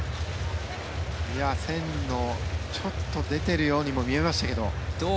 線の、ちょっと出ているようにも見えましたけど。